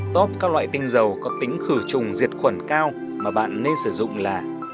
top các loại tinh dầu có tính khử trùng diệt khuẩn cao mà bạn nên sử dụng là